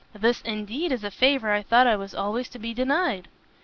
this, indeed, is a favour I thought I was always to be denied."